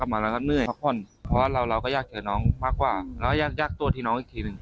เพราะว่าเราก็อยากเจอน้องมากกว่าแล้วก็อยากยากตัวที่น้องอีกทีหนึ่ง